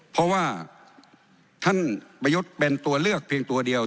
เพราะว่าท่านประยุทธ์เป็นตัวเลือกเพียงตัวเดียว